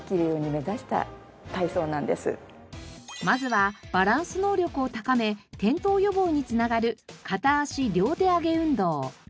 まずはバランス能力を高め転倒予防につながる片足・両手あげ運動。